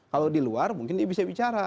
kalau di luar mungkin dia bisa bicara